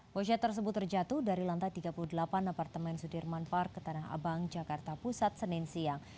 bocah tersebut terjatuh dari lantai tiga puluh delapan apartemen sudirman park ke tanah abang jakarta pusat senin siang